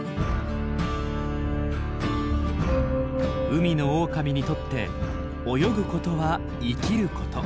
海のオオカミにとって泳ぐことは生きること。